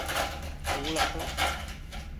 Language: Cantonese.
好立克